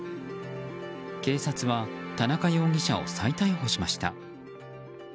警察は田中容疑者を再逮捕しました。